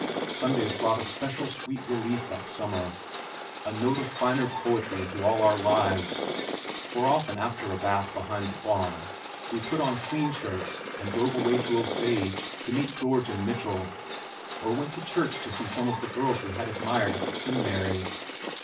Sundays brought a special sweet relief that summer, a note of finer poetry into all our lives, for often after a bath behind the barn we put on clean shirts and drove away to Osage to meet George and Mitchell, or went to church to see some of the girls we had admired at the Seminary.